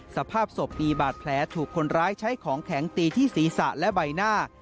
สภาพศพมีบาดแผลถูกคนร้ายใช้ของแข็งตีที่ศีรษะและใบหน้า